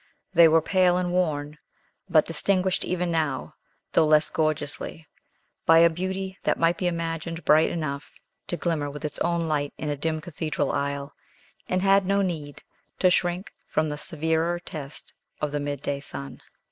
They were pale and worn, but distinguished even now, though less gorgeously, by a beauty that might be imagined bright enough to glimmer with its own light in a dim cathedral aisle, and had no need to shrink from the severer test of the mid day sun.